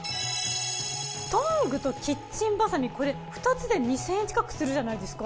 トングとキッチンバサミこれ２つで２，０００円近くするじゃないですか。